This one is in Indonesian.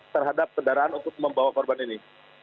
terhadap kendaraan untuk membawa korban ini